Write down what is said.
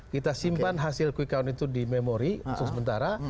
kita simpan hasil kuikang itu di memori untuk sementara